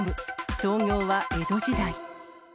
創業は江戸時代。